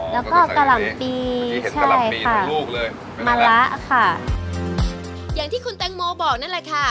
แล้วก็กะหล่ำปีที่เห็นกะหล่ำปีหนึ่งลูกเลยมะละค่ะอย่างที่คุณแตงโมบอกนั่นแหละค่ะ